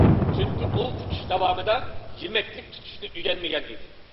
چۈنكى ئۇ ئۇچۇش داۋامىدا يېمەكلىك تۇتۇشنى ئۆگەنمىگەن ئىدى!